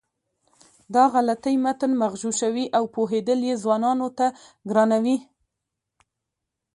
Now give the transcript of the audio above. دا غلطۍ متن مغشوشوي او پوهېدل یې ځوانانو ته ګرانوي.